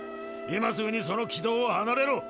今すぐにその軌道をはなれろ。